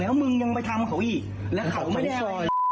แล้วมึงยังไปทำเขาอีก